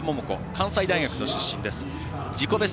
関西大学の出身です。